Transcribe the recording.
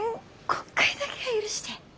今回だけは許して。